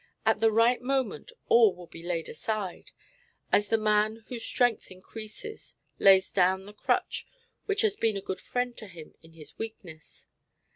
At the right moment all will be laid aside, as the man whose strength increases lays down the crutch which has been a good friend to him in his weakness.